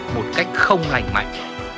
một cách không lành mạnh